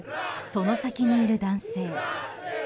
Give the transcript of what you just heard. その先にいる男性。